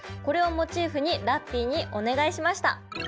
これをモチーフにラッピィにお願いしました。